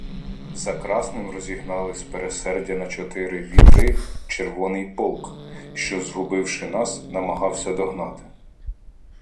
За Красним розігнали спересердя на чотири вітри червоний полк, що, згубивши нас, намагався догнати.